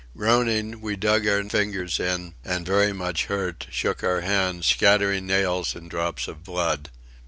Groaning, we dug our fingers in, and very much hurt, shook our hands, scattering nails and drops of blood.